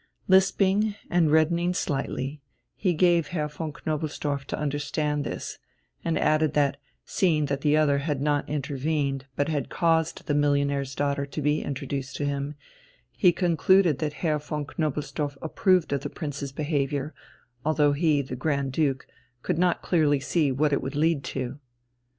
Lisping and reddening slightly, he gave Herr von Knobelsdorff to understand this, and added that, seeing that the other had not intervened, but had caused the millionaire's daughter to be introduced to him, he concluded that Herr von Knobelsdorff approved of the Prince's behaviour, although he, the Grand Duke, could not clearly see what it would lead to.